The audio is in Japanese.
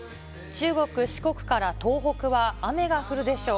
中国、四国から東北は雨が降るでしょう。